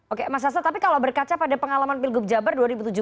oke mas hasto tapi kalau berkaca pada pengalaman pilgub jabar dua ribu tujuh belas